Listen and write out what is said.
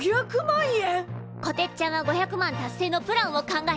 こてっちゃんは５００万達成のプランを考えて。